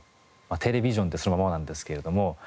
テレビジョンってそのままなんですけれども。